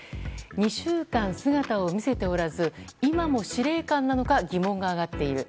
２週間、姿を見せておらず今も司令官なのか疑問が上がっている。